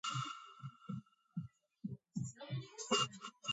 მან მნიშვნელოვანი როლი შეასრულა პეტროგრადში ქართული ეკლესიის დაფუძნებაში.